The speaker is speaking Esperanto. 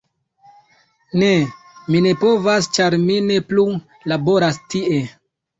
"Ne. Mi ne povas ĉar mi ne plu laboras tie.